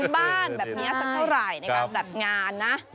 บ้านแบบนี้สักเท่าไหร่ในการจัดงานนะ